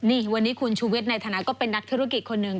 นี่วันนี้คุณชูวิทย์ในฐานะก็เป็นนักธุรกิจคนหนึ่ง